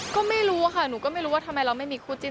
ก็ไม่รู้ค่ะหนูก็ไม่รู้ว่าทำไมเราไม่มีคู่จิ้น